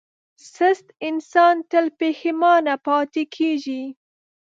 سست انسان تل پښېمانه پاتې کېږي.